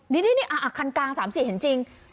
นี่คันกลาง๓๔เห็นจริง